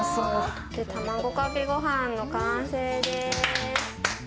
卵かけご飯の完成です。